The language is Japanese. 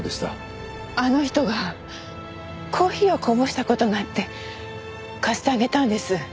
あの人がコーヒーをこぼした事があって貸してあげたんです。